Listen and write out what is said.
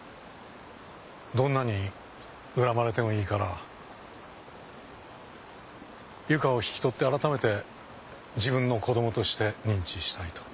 どんなに恨まれてもいいから由香を引き取って改めて自分の子どもとして認知したいと。